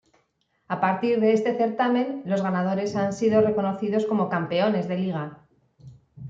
A partir de este certamen, los ganadores han sido reconocidos como "campeones de liga".